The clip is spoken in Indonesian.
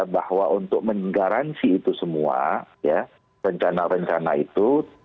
bahwa untuk menggaransi itu semua ya rencana rencana itu